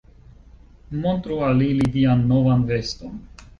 Montru al ili vian novan veston.